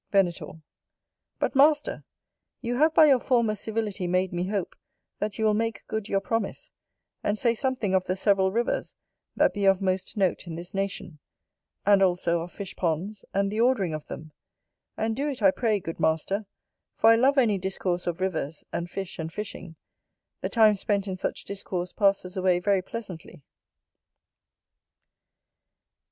Venator. But, master, you have by your former civility made me hope that you will make good your promise, and say something of the several rivers that be of most note in this nation; and also of fish ponds, and the ordering of them: and do it I pray, good master; for I love any discourse of rivers, and fish and fishing; the time spent in such discourse passes away very pleasantly.